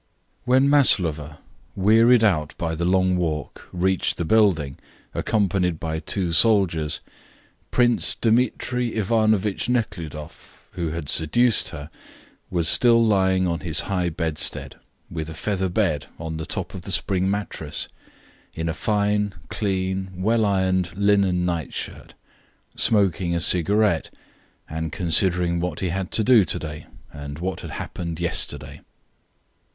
When Maslova, wearied out by the long walk, reached the building, accompanied by two soldiers, Prince Dmitri Ivanovitch Nekhludoff, who had seduced her, was still lying on his high bedstead, with a feather bed on the top of the spring mattress, in a fine, clean, well ironed linen night shirt, smoking a cigarette, and considering what he had to do to day, and what had happened yesterday.